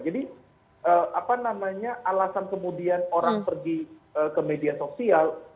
jadi alasan kemudian orang pergi ke media sosial